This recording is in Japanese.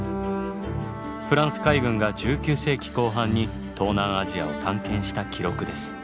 フランス海軍が１９世紀後半に東南アジアを探検した記録です。